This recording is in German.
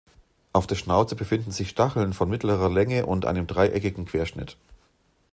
Auf der Schnauze befinden sich Stacheln von mittlerer Länge und einem dreieckigen Querschnitt.